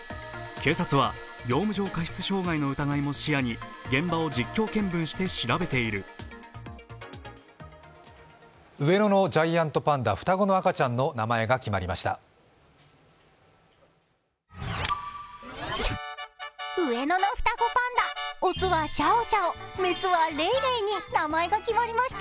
警察は業務上過失傷害の疑いを視野に現場を実況見分して調べてい上野のジャイアントパンダ、双子の赤ちゃんの名前が決まりました。